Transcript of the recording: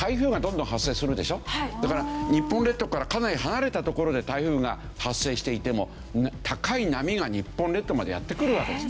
だから日本列島からかなり離れた所で台風が発生していても高い波が日本列島までやって来るわけです。